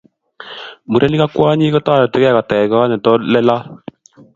Mureniik ak kwonyiik kotoretigei koteech koot ne teleloot.